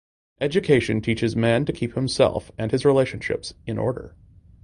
Education teaches man to keep himself and his relationship in order.